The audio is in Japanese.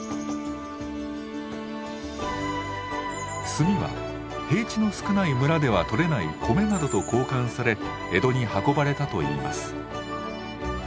炭は平地の少ない村ではとれない米などと交換され江戸に運ばれたといいます。